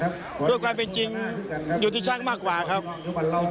ด้วยความเป็นจริงอยู่ที่ช่างมากกว่าครับ